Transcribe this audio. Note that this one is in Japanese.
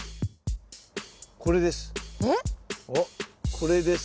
これです。